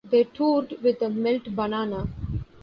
They toured with Melt Banana.